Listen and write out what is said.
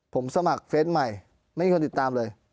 ผมสมัครเฟสใหม่ไม่มีคนติดตามเลย